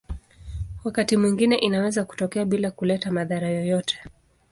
Wakati mwingine inaweza kutokea bila kuleta madhara yoyote.